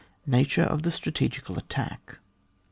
NATURE OF THE STRATEGICAL ATTACK.